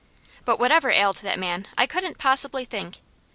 But whatever ailed that man I couldn't possibly think.